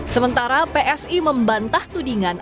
sementara psi membantah tudingan